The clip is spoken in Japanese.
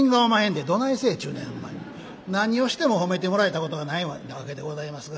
何をしても褒めてもらえたことがないわけでございますが。